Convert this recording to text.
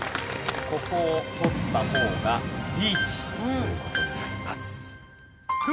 ここを取った方がリーチという事になります。